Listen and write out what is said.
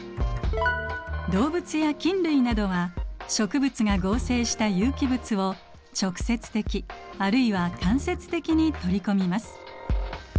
動物や菌類などは植物が合成した有機物を直接的あるいは間接的に取り込みます。